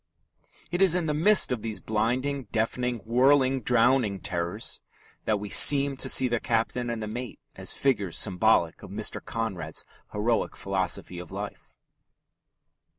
It is in the midst of these blinding, deafening, whirling, drowning terrors that we seem to see the captain and the mate as figures symbolic of Mr. Conrad's heroic philosophy of life.